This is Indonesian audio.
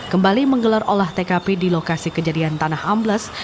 kembali menggelar olah tkp di lokasi kejadian tanah ambles